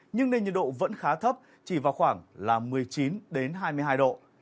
nhưng nền nhiệt độ vẫn khá thấp chỉ vào khoảng một mươi chín hai mươi hai độ